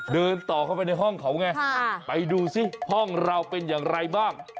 เดินต่อเข้าไปในห้องเขาไงไปดูซิห้องเราเป็นอย่างไรบ้าง